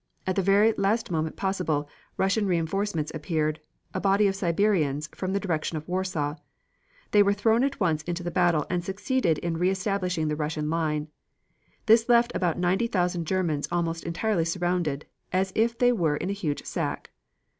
At the very last moment possible, Russian reinforcements appeared a body of Siberians from the direction of Warsaw. They were thrown at once into the battle and succeeded in re establishing the Russian line. This left about ninety thousand Germans almost entirely surrounded, as if they were in a huge sack.